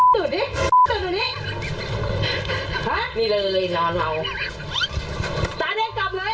หื้มตื่นดิตื่นหน่อยนี้ฮะนี่เลยนอนเหล้าตอนนี้กลับเลย